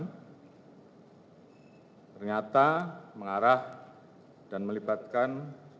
dan ternyata mengarah dan melibatkan